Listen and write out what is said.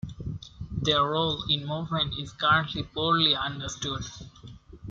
Their role in movement is currently poorly understood.